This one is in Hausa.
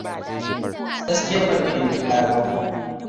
Gaskiya ban iya ninkaya ba.